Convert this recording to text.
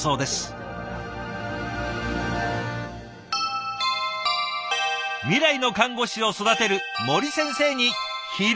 未来の看護師を育てる森先生に昼がきた！